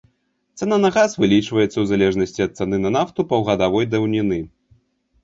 Цана на газ вылічваецца ў залежнасці ад цаны на нафту паўгадавой даўніны.